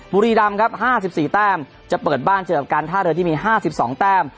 บุรีรำครับ๕๔แต้มจะเปิดบ้านเจอกับการท่าเรือที่มี๕๒แต้ม